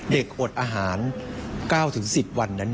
เด็กอดอาหาร๙๑๐วัน